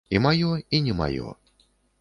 І маё, і не маё.